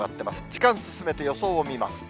時間進めて予想を見ます。